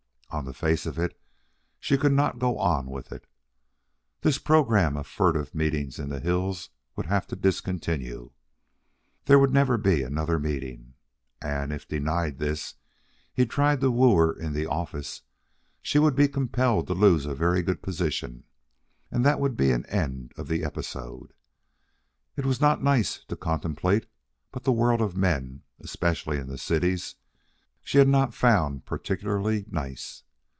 On the face of it, she could not go on with it. This program of furtive meetings in the hills would have to discontinue. There would never be another meeting. And if, denied this, he tried to woo her in the office, she would be compelled to lose a very good position, and that would be an end of the episode. It was not nice to contemplate; but the world of men, especially in the cities, she had not found particularly nice.